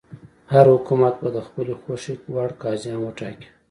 هر حکومت به د خپلې خوښې وړ قاضیان وټاکي.